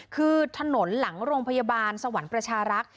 คือถนนหลังโรงพยาบาลสวรรค์ประชารักษ์